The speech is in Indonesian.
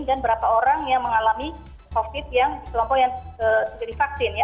dan berapa orang yang mengalami covid yang kelompok yang tidak divaksin ya